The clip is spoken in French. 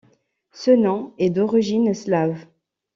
Ce nom est d'origine slave.